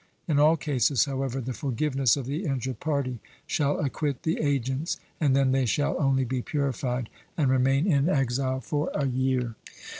In all cases, however, the forgiveness of the injured party shall acquit the agents; and then they shall only be purified, and remain in exile for a year.